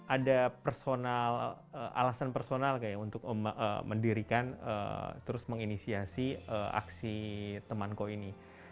ada alasan personal kayak untuk mendirikan terus menginisiasi aksi temanko ini